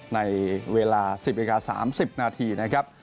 ในเวลา๑๐นาที๓๐นาทีนะครับ